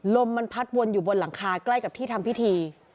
ลมมันพัดวนใบลังขากลายแทคที่ทรภิทธิ